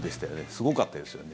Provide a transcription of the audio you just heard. すごかったですよね。